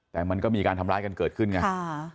แต่มันก็มีการทำร้ายกันเกิดขึ้นไง